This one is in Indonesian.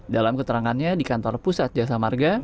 dalam keterangannya di kantor pusat jasa marga